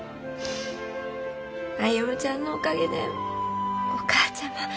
歩ちゃんのおかげでお母ちゃま